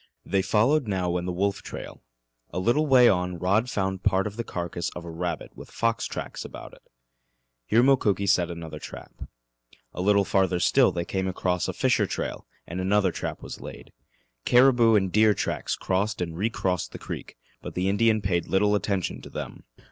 They followed now in the wolf trail. A little way on Rod found part of the carcass of a rabbit with fox tracks about it. Here Mukoki set another trap. A little farther still they came across a fisher trail and another trap was laid. Caribou and deer tracks crossed and recrossed the creek, but the Indian paid little attention to them.